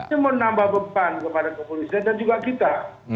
ini menambah beban kepada kepolisian dan juga kita